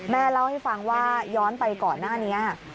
แม่เล่าให้ฟังว่าย้อนไปเกาะหน้านี้